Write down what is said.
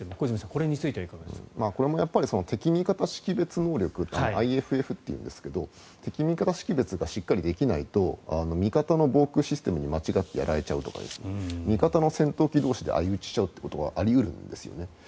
これについても敵味方識別能力ってＩＦＦというんですが敵味方識別がしっかりできないと味方の防空システムに間違ってやられちゃうとか味方の戦闘機同士で相打ちしちゃうことはあり得るんですね。